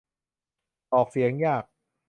ออกเสียงยาก